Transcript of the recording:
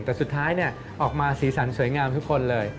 แต่สุดท้ายออกมาสีสันสวยงามทุกคนเลย